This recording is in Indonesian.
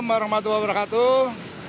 assalamualaikum warahmatullahi wabarakatuh